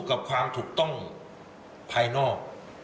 กับความถูกต้องภายนอก